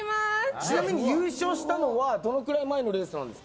ちなみに優勝したのはどのくらい前のレースなんですか。